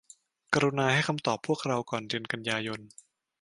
กรุณาให้คำตอบพวกเราก่อนเดือนกันยายน